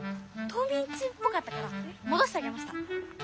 冬みん中っぽかったからもどしてあげました。